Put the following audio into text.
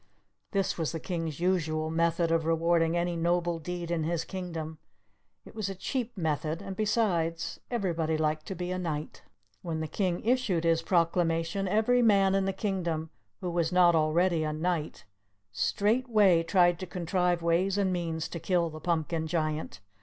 This was the King's usual method of rewarding any noble deed in his kingdom. It was a cheap method, and besides everybody liked to be a knight. When the King issued his proclamation every man in the kingdom who was not already a knight, straightway tried to contrive ways and means to kill the Pumpkin Giant.